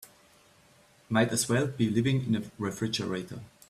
Might as well be living in a refrigerator.